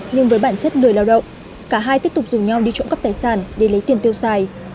nhưng với bản chất lười lao động cả hai tiếp tục rủ nhau đi trộm cắp tài sản để lấy tiền tiêu xài